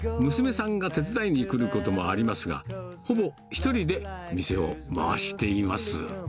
娘さんが手伝いに来ることもありますが、ほぼ１人で店を回しています。